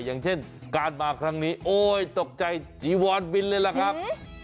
อย่างเช่นการมาครั้งนี้โอ๊ยตกใจจีวอนบินเลยล่ะครับ